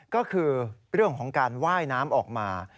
ก็คือเรื่องของการว่ายน้ำออกมา